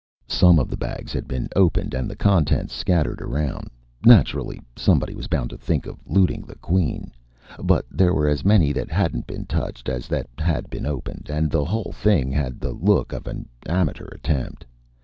Some of the bags had been opened and the contents scattered around naturally, somebody was bound to think of looting the Queen. But there were as many that hadn't been touched as that had been opened, and the whole thing had the look of an amateur attempt.